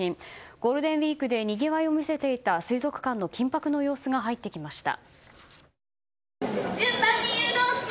ゴールデンウィークでにぎわいを見せていた水族館の緊迫の様子が入ってきました。